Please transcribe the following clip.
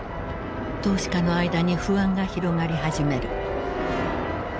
投資家の間に不安が広がり始める。